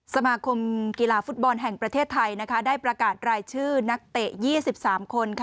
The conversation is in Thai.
สมาคมกีฬาฟุตบอลแห่งประเทศไทยได้ประกาศรายชื่อนักเตะ๒๓คน